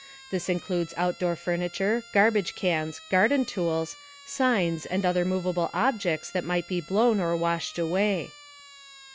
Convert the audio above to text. This includes outdoor furniture, garbage cans, garden tools, signs, and other movable objects that might be blown or washed away.